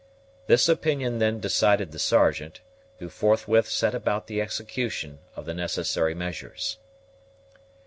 This opinion then decided the Sergeant, who forthwith set about the execution of the necessary measures.